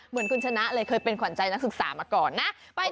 เหมือนคุณชนะเลยเคยเป็นขวัญใจนักศึกษามาก่อนนะ